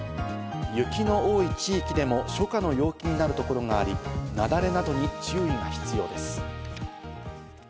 雪の多い地域でも初夏の陽気になるところがあり、雪崩などに注意が必要です。